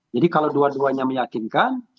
jadi kalau dua duanya meyakinkan